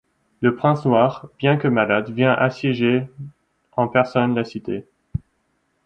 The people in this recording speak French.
Le Prince noir, bien que malade, vint assiéger en personne la cité.